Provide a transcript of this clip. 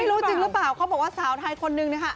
รู้จริงหรือเปล่าเขาบอกว่าสาวไทยคนนึงนะคะ